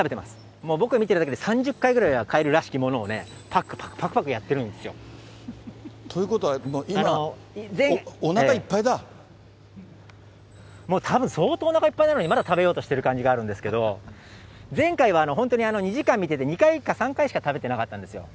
もう僕が見てるだけで３０匹ぐらいカエルらしきものをぱくぱくやってるんですよ。ということは、もうたぶん、相当おなかいっぱいなのに、まだ食べようとしてる感じがあるんですけど、前回は２時間見てて、２回か３回しか食べてなかったんですよ。